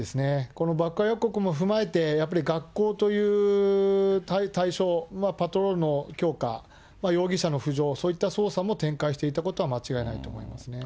この爆破予告も踏まえて、やっぱり学校という対象、パトロールの強化、容疑者の浮上、そういった捜査も展開していたことは間違いないと思いますね。